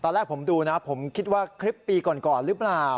ตอนแรกผมดูนะผมคิดว่าคลิปปีก่อนหรือเปล่า